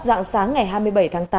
dạng sáng ngày hai mươi bảy tháng tám